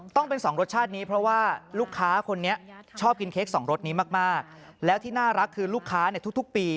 ต้องเป็นสองรสชาตินี้เพราะว่าลูกค้าคนนี้ชอบกินเค้กสองรสนี้มากมากแล้วที่น่ารักคือลูกค้าในทุกปี